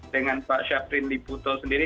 dengan pak syaprin liputo sendiri